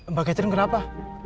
mbak catherine kenapa